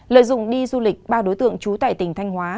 lợi dụng đi du lịch ba đối tượng trú tại tỉnh thanh hóa